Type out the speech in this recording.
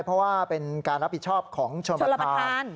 เพราะว่าเป็นการรับผิดชอบของชนประทานชนประทาน